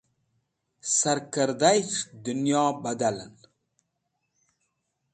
Sarkẽrdayishtẽs̃h dẽnyo badalẽn.